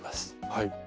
はい。